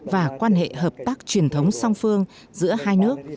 và quan hệ hợp tác truyền thống song phương giữa hai nước